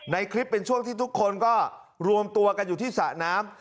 ในคลิปเป็นช่วงที่ทุกคนก็รวมตัวกันอยู่ที่สระน้ำ